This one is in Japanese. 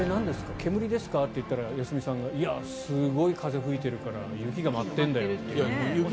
煙ですか？って言ったら良純さんがすごい風が吹いているから雪が舞ってるんだよって。